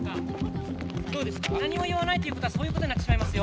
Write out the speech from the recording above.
何も言わないということはそういうことになってしまいますよ？